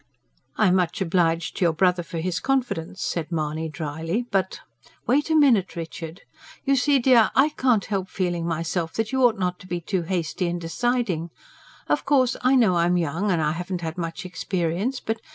"I'm much obliged to your brother for his confidence," said Mahony dryly; "but " "Wait a minute, Richard! You see, dear, I can't help feeling myself that you ought not to be too hasty in deciding. Of course, I know I'm young, and haven't had much experience, but